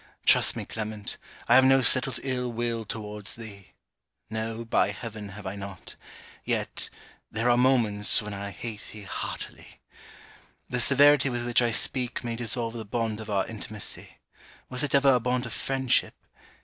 Trust me, Clement, I have no settled ill will towards thee. No: by heaven, have I not yet, there are moments when I hate thee heartily. The severity with which I speak may dissolve the bond of our intimacy: was it ever a bond of friendship?